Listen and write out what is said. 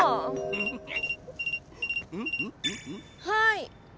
はい。